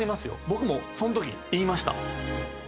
僕もその時言いました。